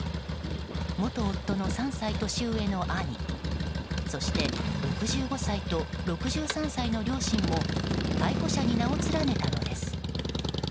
元夫の３歳年上の兄そして、６５歳と６３歳の両親も逮捕者に名を連ねたのです。